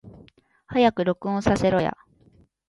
早く録音させろや